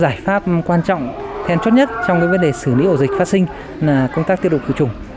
giải pháp quan trọng then chốt nhất trong vấn đề xử lý ổ dịch phát sinh là công tác tiêu độc khử trùng